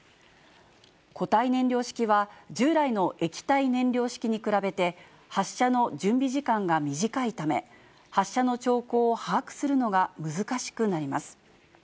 固体燃料式は、従来の液体燃料式に比べて、発射の準備時間が短いため、発射の兆候を把握するのが難しくなります。